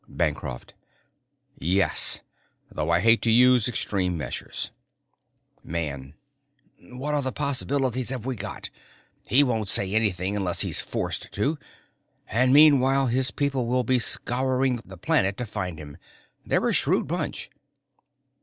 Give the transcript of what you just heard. Bancroft: "Yes. Though I hate to use extreme measures." Man: "What other possibilities have we got? He won't say anything unless he's forced to. And meanwhile his people will be scouring the planet to find him. They're a shrewd bunch."